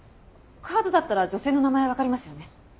カードだったら女性の名前わかりますよね？